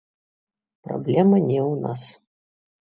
Праблема не ў нас.